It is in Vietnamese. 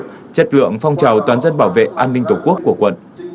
chất lượng phong trào toàn dân bảo vệ an ninh tổ quốc của quận